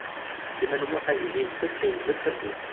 Sliman U Muḥ ad yili yessefk yemdel tawwurt.